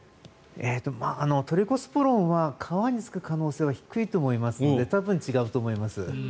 トリコスポロンは革につく可能性は引くいと思うので多分違うと思います。